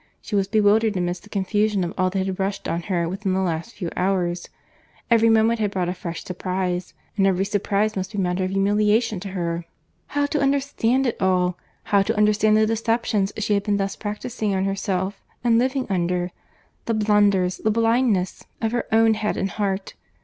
—She was bewildered amidst the confusion of all that had rushed on her within the last few hours. Every moment had brought a fresh surprize; and every surprize must be matter of humiliation to her.—How to understand it all! How to understand the deceptions she had been thus practising on herself, and living under!—The blunders, the blindness of her own head and heart!